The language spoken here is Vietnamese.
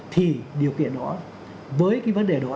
thì điều kiện đó với cái vấn đề đó